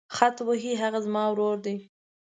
خط وهي هغه زما ورور دی.